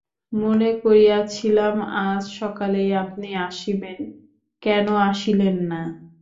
মনে করিয়াছিলাম আজ সকালেই আপনি আসিবেন, কেন আসিলেন না?